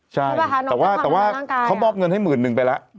ใช่แต่ว่าเขามอบเงินให้หมื่นหนึ่งไปแล้ว